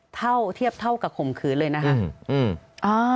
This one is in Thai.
เท่าเทียบเท่ากับขมขืนเลยนะค่ะ